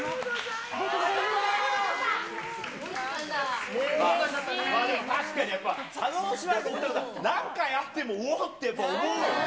まあでも確かにやっぱ、叶姉妹のお２人って何回会ってもおーって、やっぱり思うよね。